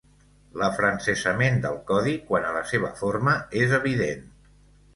L'afrancesament del Codi quant a la seva forma és evident.